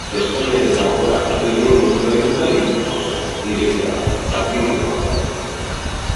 Eskaileretan gora, lehenengo solairura iritsiko zara; irekia da, zatitu gabea.